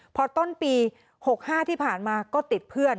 พอต้นปี๖๕ที่ผ่านมาก็ติดเพื่อน